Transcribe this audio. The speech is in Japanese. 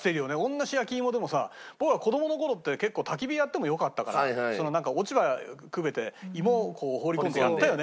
同じ焼き芋でもさ僕ら子供の頃って結構たき火やってもよかったからなんか落ち葉くべて芋を放り込んでやったよね。